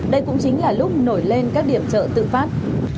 đây cũng chính là lúc nổi lên các điểm chợ tự phát